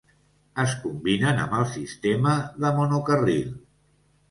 Es combinen amb el sistema de monocarril.